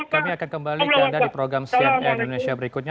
kami akan kembali ke anda di program cnn indonesia berikutnya